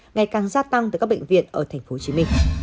ngày càng gia tăng tại các bệnh viện ở tp hcm